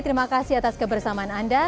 terima kasih atas kebersamaan anda